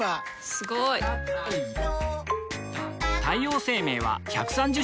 すごい！太陽生命は１３０周年